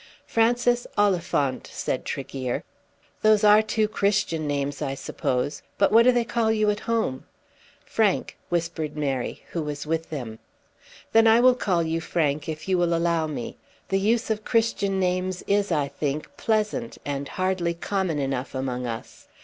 "Francis Oliphant," said Tregear. "Those are two Christian names I suppose, but what do they call you at home?" "Frank," whispered Mary, who was with them. "Then I will call you Frank, if you will allow me. The use of Christian names is, I think, pleasant and hardly common enough among us.